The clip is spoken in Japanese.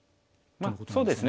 まあそうですね。